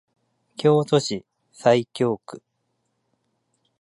京都市西京区